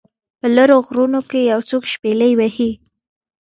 په لیرو غرونو کې یو څوک شپیلۍ وهي